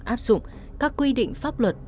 áp dụng các quy định pháp luật